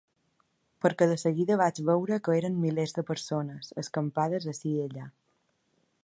Perquè de seguida vaig veure que eren milers de persones, escampades ací i allà.